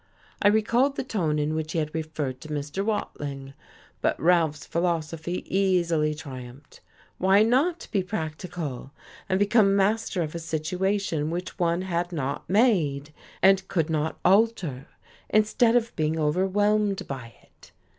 I recalled the tone in which he had referred to Mr. Watling. But Ralph's philosophy easily triumphed. Why not be practical, and become master of a situation which one had not made, and could not alter, instead of being overwhelmed by it?